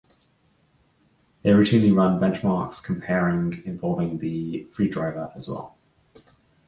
They routinely run benchmarks comparing involving the free driver as well.